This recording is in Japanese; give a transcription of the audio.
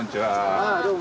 ああどうも。